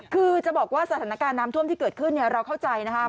คือจะบอกว่าสถานการณ์น้ำท่วมที่เกิดขึ้นเราเข้าใจนะครับ